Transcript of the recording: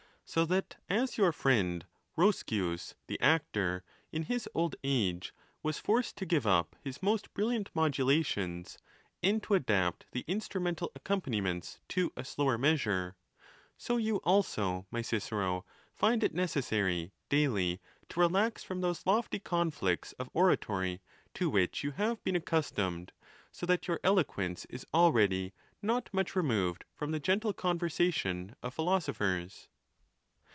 So that as your friend Roscius the actor, in his old age, was forced to give up his most brilliant modulations, and to adapt the instrumental accom paniments to a slower measure ; so you also, my Cicero, find | it necessary daily to relax from those lofty conflicts of oratory | to which you have been accustomed, so that your eloquence 'is already not much removed from the gentle conversation of — philosophers...